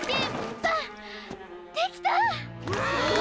できた！